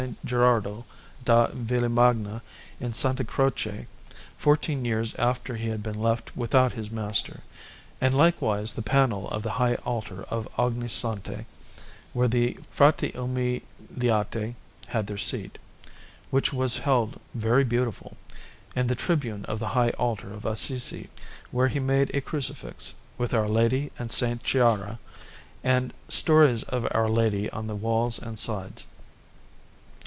Gherardo da Villamagna in S. Croce, fourteen years after he had been left without his master, and likewise the panel of the high altar of Ognissanti, where the Frati Umiliati had their seat, which was held very beautiful, and the tribune of the high altar at Assisi, wherein he made a Crucifix, with Our Lady and S. Chiara, and stories of Our Lady on the walls and sides.